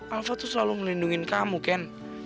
alva tuh selalu melindungi kamu ken